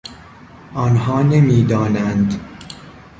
آنها نمیدانند.